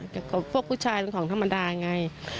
แต่พวกผู้ชายเป็นของธรรมดาไง